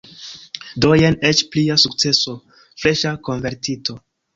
Do jen eĉ plia sukceso – freŝa konvertito!